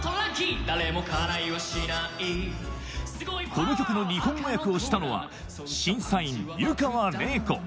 この曲の日本語訳をしたのは審査員湯川れい子